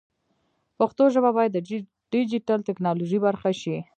پښتو ژبه باید د ډیجیټل ټکنالوژۍ برخه شي.